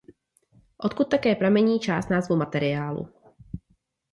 Odkud také pramení část názvu materiálu.